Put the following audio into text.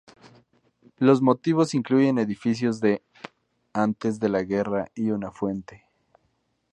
Los motivos incluyen edificios de antes de la guerra y una fuente.